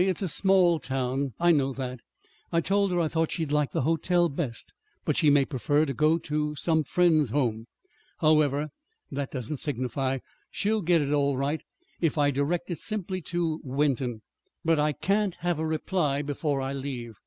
It's a small town I know that. I told her I thought she'd like the hotel best; but she may prefer to go to some friend's home. However, that doesn't signify. She'll get it all right, if I direct it simply to Wenton. But I can't have a reply before I leave.